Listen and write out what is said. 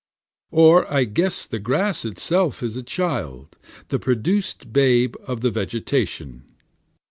Or I guess the grass is itself a child, the produced babe of the vegetation.